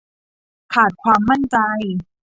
ขาดความมั่นใจ